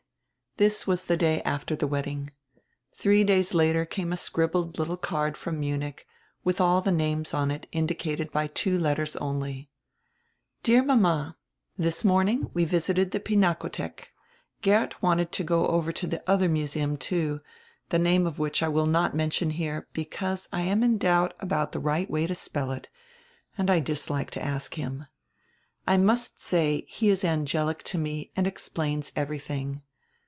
This was the day after die w r edding. Three days later came a scribbled little card from Munich, with all the names on it indicated by two letters only. "Dear mama: This morning we visited die Pinakodiek. Geert wanted to go over to die odier museum, too, die name of which I will not mention here, because I am in doubt about die right way to spell it, and I dislike to ask him. I must say, he is angelic to me and explains everything.